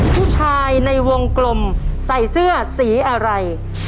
ผู้ชายในวงกลมใส่เสื้อสีอะไร